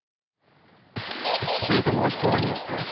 続いてもおいしそうなニュースです。